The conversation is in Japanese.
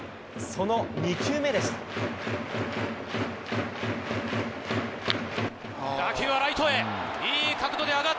その２球目でした。